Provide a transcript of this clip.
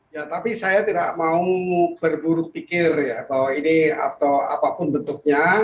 ya tapi saya tidak mau berburu pikir ya bahwa ini atau apapun bentuknya